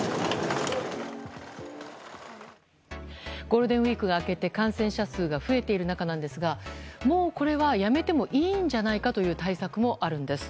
ゴールデンウィークが明けて感染者数が増えている中なんですがもうこれはやめてもいいんじゃないかという対策もあるんです。